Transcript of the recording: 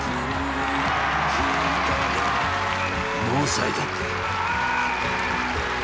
ノーサイド。